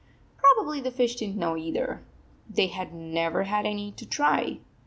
Probably the fish did n t know, either. They had never had any to try.